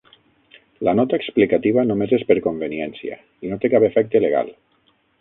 La nota explicativa només és per conveniència i no té cap efecte legal.